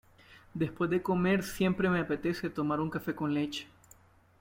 Después de comer siempre me apetece tomarme un café con leche.